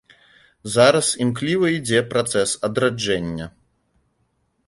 Зараз імкліва ідзе працэс адраджэння.